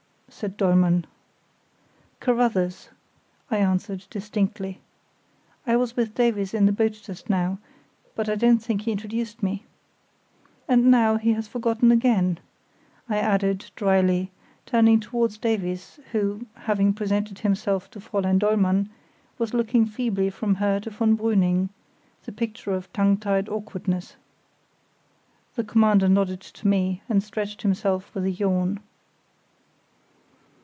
said Dollmann. "Carruthers," I answered, distinctly. "I was with Davies in the boat just now, but I don't think he introduced me. And now he has forgotten again," I added, dryly, turning towards Davies, who, having presented himself to Fräulein Dollmann, was looking feebly from her to von Brüning, the picture of tongue tied awkwardness. (The Commander nodded to me and stretched himself with a yawn.)